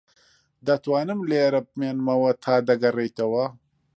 دەتوانم لێرە بمێنمەوە تا دەگەڕێیتەوە.